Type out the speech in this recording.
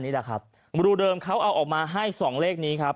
นี่แหละครับรูเดิมเขาเอาออกมาให้สองเลขนี้ครับ